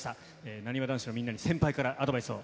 なにわ男子のみんなに先輩からアドバイスを。